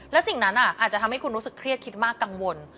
และสิ่งนั้นอาจจะทำให้คุณรู้สึกเครียดคิดมากกังวล